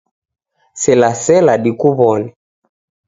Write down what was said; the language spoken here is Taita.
Sela sela dikuw'one.